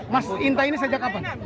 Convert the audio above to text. mas inta ini sejak kapan